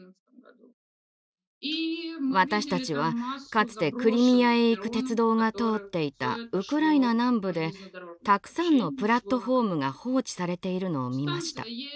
私たちはかつてクリミアへ行く鉄道が通っていたウクライナ南部でたくさんのプラットホームが放置されているのを見ました。